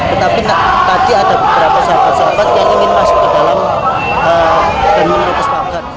tetapi tadi ada beberapa sahabat sahabat yang ingin masuk ke dalam dan menerobos pangkat